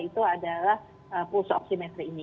itu adalah pulsu oksimetri ini